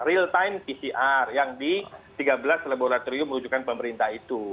real time pcr yang di tiga belas laboratorium rujukan pemerintah itu